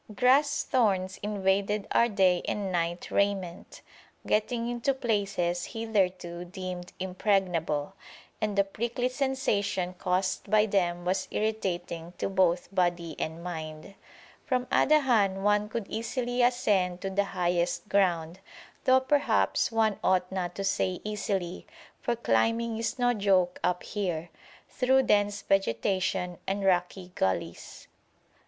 Grass thorns invaded our day and night raiment, getting into places hitherto deemed impregnable, and the prickly sensation caused by them was irritating to both body and mind. From Adahan one could easily ascend to the highest ground; though perhaps one ought not to say easily, for climbing is no joke up here, through dense vegetation and rocky gullies.